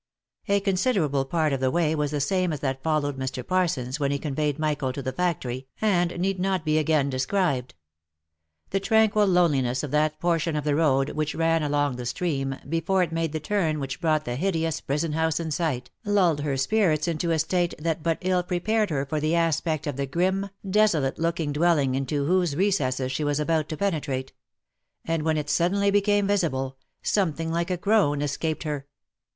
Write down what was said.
A considerable part of the way was the same as that followed by Mr. Parsons when he conveyed Michael to the factory, and need not be again described. The tranquil loneliness of that portion of the road which ran along the stream, before it made the turn which brought the hideous prison house in sight, lulled her spirits into a state that but ill prepared her for the aspect of the grim, desolate looking dwelling into whose recesses she was about to penetrate ; and when it suddenly became visible, something like a groan escaped her.